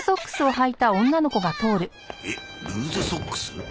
えっルーズソックス？